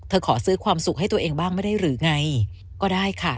ขอซื้อความสุขให้ตัวเองบ้างไม่ได้หรือไงก็ได้ค่ะ